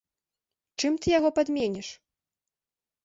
Чым ты яго падменіш?